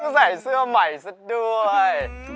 ใส่เสื้อใหม่ซะด้วย